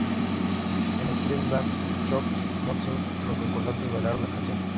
En Xtreme Dance, Shock Motion los concursantes bailaron la canción.